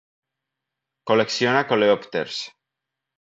Col·lecciona coleòpters.